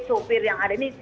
supir yang ada ini